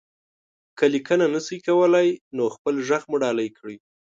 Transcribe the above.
که ليکنه نشئ کولی، نو خپل غږ مو ډالۍ کړئ.